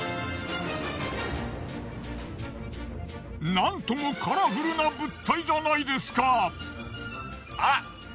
なんともカラフルな物体じゃないですか。